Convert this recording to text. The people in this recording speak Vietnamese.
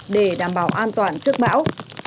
để đảm bảo an toàn trước bão